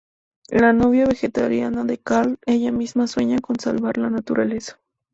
La novia vegetariana de Carl ella misma sueña con salvar la naturaleza.